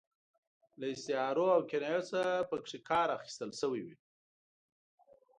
له استعارو او کنایو څخه پکې کار اخیستل شوی وي.